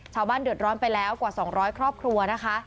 ชาวบ้านเดือดร้อนไปแล้วกว่า๒๐๐ครอบครัวนะคะ